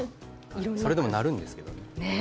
それでも鳴るんですけど。